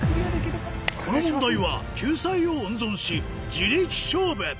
この問題は救済を温存し自力勝負！